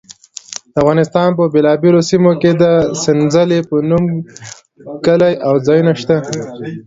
د افغانستان په بېلابېلو سیمو کې د سنځلې په نوم کلي او ځایونه شته.